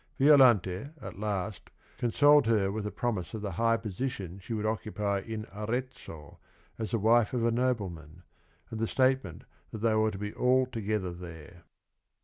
Violante, at last, consoled her with the promise of the high position she would occupy in Arezzo as the wife of a noble man, and the statement that they were to be all together there.